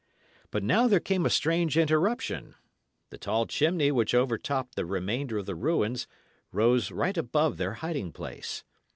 But now there came a strange interruption. The tall chimney which over topped the remainder of the ruins rose right above their hiding place.